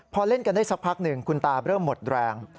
พอเล่นกันได้สักพักหนึ่งคุณตาเริ่มหมดแรง